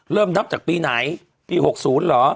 เริ่มนับจากปีไหนปี๖๐เหรอ